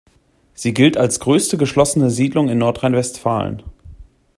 Sie gilt als größte geschlossene Siedlung in Nordrhein-Westfalen.